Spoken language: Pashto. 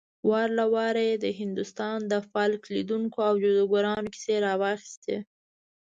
وار له واره يې د هندوستان د فال ليدونکو او جادوګرانو کيسې راواخيستې.